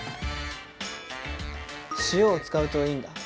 塩を使うといいんだ。